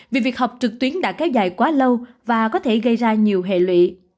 vì việc học trực tuyến đã kéo dài quá lâu và có thể gây ra nhiều hệ lụy